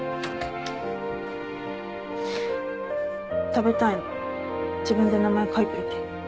食べたいの自分で名前書いといて。